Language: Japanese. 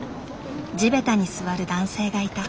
地べたに座る男性がいた。